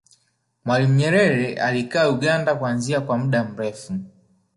mwalimu nyerere alikaa uganda kuanzia kwa muda mrefu